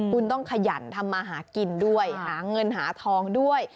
คุณต้องขยันทำมาหากินด้วยหาเงินหาทองด้วย